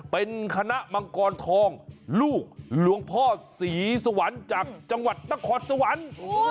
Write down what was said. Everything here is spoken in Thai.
เป็นคณะมังกรทองลูกหลวงพ่อศรีสวรรค์จากจังหวัดนครสวรรค์